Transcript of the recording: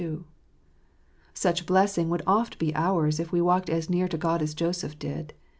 Such blessing would oft be ours if we walked as near to God as Joseph did.